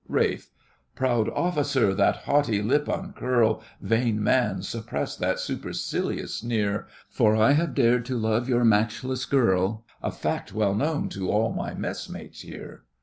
RALPH. Proud officer, that haughty lip uncurl! Vain man, suppress that supercilious sneer, For I have dared to love your matchless girl, A fact well known to all my messmates here!